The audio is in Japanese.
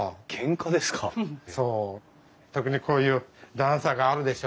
特にこういう段差があるでしょう。